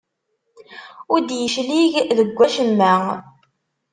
Ur d-yeclig deg wacemma.